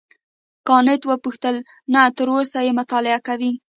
کانت وپوښتل نو تر اوسه یې مطالعه کوې.